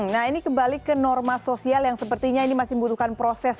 nah ini kembali ke norma sosial yang sepertinya ini masih membutuhkan proses